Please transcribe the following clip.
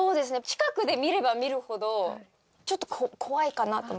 近くで見れば見るほどちょっと怖いかなと。